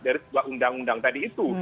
dari sebuah undang undang tadi itu